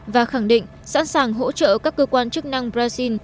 và khẳng định sẵn sàng hỗ trợ các cơ quan chức năng brazil